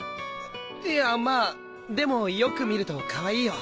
いやまぁでもよく見るとかわいいよ。